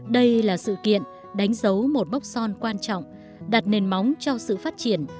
đây là sự kiện đánh dấu một mốc son quan trọng đặt nền móng cho sự phát triển